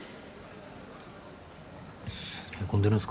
ふぅへこんでるんすか？